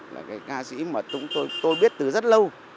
là cái ca sĩ mà tôi biết từ rất lâu